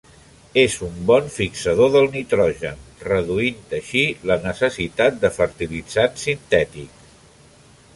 És un bon fixador del nitrogen, reduint així la necessitat de fertilitzants sintètics.